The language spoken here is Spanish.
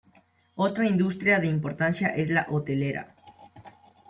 Otra industria de importancia es la Hotelera.